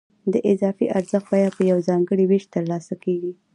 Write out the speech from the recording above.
د اضافي ارزښت بیه په یو ځانګړي وېش ترلاسه کېږي